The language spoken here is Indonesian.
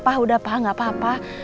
pak udah pak gak apa apa